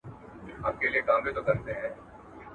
زندان به نه وي بندیوان به نه وي.